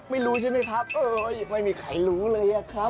ไม่รู้ใช่ไหมครับโอ้ยไม่มีใครรู้เลยอะครับ